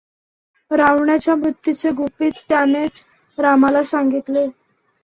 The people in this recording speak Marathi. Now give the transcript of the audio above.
रावणाच्या मृत्यूचे गुपित त्यानेच रामास सांगितले.